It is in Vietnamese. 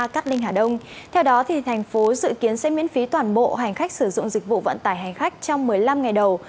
cát linh hà đông theo đó thành phố dự kiến sẽ miễn phí toàn bộ hành khách sử dụng dịch vụ vận tải hành khách trong một mươi năm ngày đầu